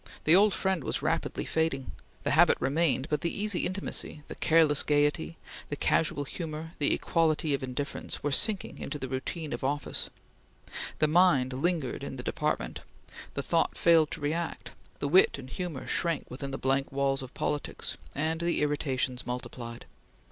The old friend was rapidly fading. The habit remained, but the easy intimacy, the careless gaiety, the casual humor, the equality of indifference, were sinking into the routine of office; the mind lingered in the Department; the thought failed to react; the wit and humor shrank within the blank walls of politics, and the irritations multiplied.